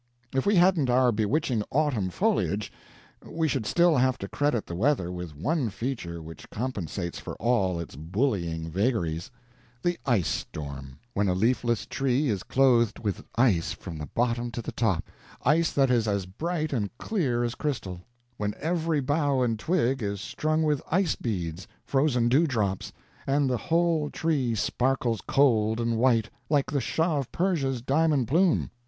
If we hadn't our bewitching autumn foliage, we should still have to credit the weather with one feature which compensates for all its bullying vagaries the ice storm: when a leafless tree is clothed with ice from the bottom to the top ice that is as bright and clear as crystal; when every bough and twig is strung with ice beads, frozen dewdrops, and the whole tree sparkles cold and white, like the Shah of Persia's diamond plume.